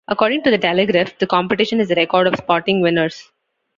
According to the "Telegraph", the competition has a record of "spotting winners".